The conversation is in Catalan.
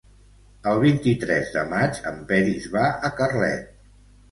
El vint-i-tres de maig en Peris va a Carlet.